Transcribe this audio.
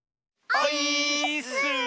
オイーッス！